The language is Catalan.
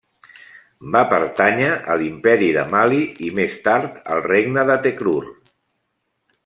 Va pertànyer a l'Imperi de Mali i més tard al regne de Tekrur.